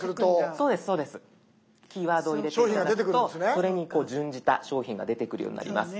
そうですキーワードを入れるとそれに準じた商品が出てくるようになります。